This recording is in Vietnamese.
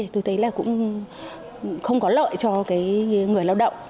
tôi thấy là cũng không có lợi cho cái người lao động